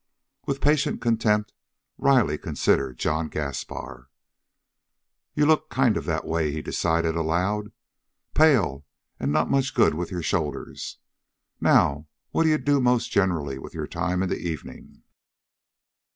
With patient contempt Riley considered John Gaspar. "You look kind of that way," he decided aloud. "Pale and not much good with your shoulders. Now, what d'you most generally do with your time in the evening?"